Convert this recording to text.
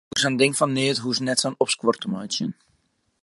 Oer sa'n ding fan neat hoechst net sa'n opskuor te meitsjen.